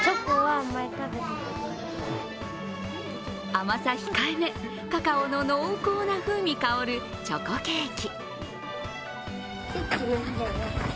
甘さ控えめ、カカオの濃厚な風味香るチョコケーキ。